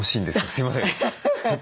すいません。